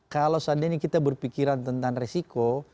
kalau seandainya kita berpikiran tentang resiko